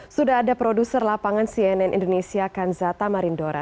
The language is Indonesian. sudah ada produser lapangan cnn indonesia kanzata marindora